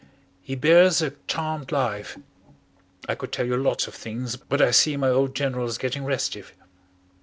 He bears a charmed life. I could tell you lots of things but I see my old General's getting restive."